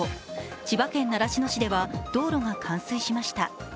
千葉県習志野市では道路が冠水しました。